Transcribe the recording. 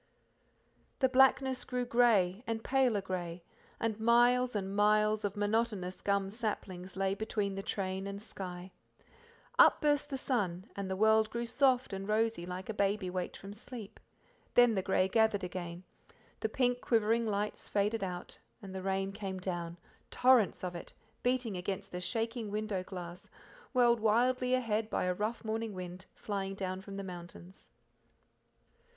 The blackness grew grey and paler grey, and miles and miles of monotonous gum saplings lay between the train and sky. Up burst the sun, and the world grew soft and rosy like a baby waked from sleep. Then the grey gathered again, the pink, quivering lights faded out, and the rain came down torrents of it, beating against the shaking window glass, whirled wildly ahead by a rough morning wind, flying down from the mountains.